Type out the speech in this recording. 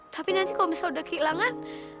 tapi nanti kalau misalnya udah kehilangan